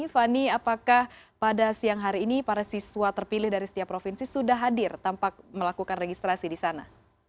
fani apakah pada siang hari ini para siswa terpilih dari setiap provinsi sudah hadir tanpa melakukan registrasi di sana